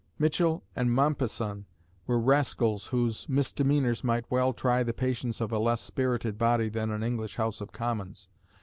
Michell and Mompesson were rascals whose misdemeanors might well try the patience of a less spirited body than an English House of Commons.